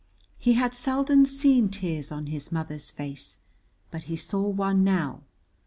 He had seldom seen tears on his mother's face, but he saw one now.